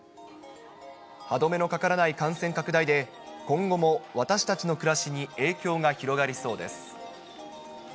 歯止めのかからない感染拡大で、今後も私たちの暮らしに影響が広がりそうです。